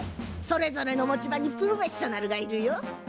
それぞれの持ち場にプロフェッショナルがいるよ。